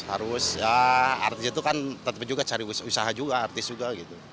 artis itu kan tetap juga cari usaha juga artis juga